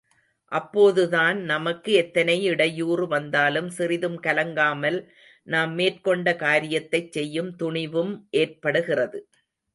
அப்போதுதான் நமக்கு, எத்தனை இடையூறு வந்தாலும் சிறிதும் கலங்காமல் நாம் மேற்கொண்ட காரியத்தைச் செய்யும் துணிவும் ஏற்படுகிறது.